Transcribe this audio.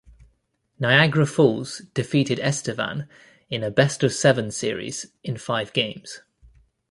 Niagara Falls defeated Estevan in a best-of-seven series in five games.